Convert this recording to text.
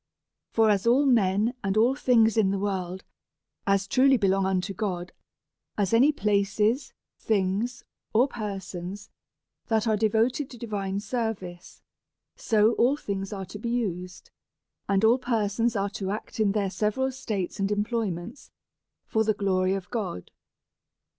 For as all men and all things in the world as truly belong unto God as any places, things, or persons, that are devoted to divine service ; so all things are to be used, and all persons are to act in their several states and employments for the glory of God.